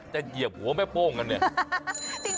เหยียบหัวแม่โป้งกันเนี่ย